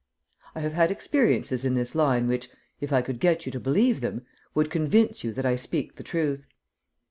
I have had experiences in this line which, if I could get you to believe them, would convince you that I speak the truth.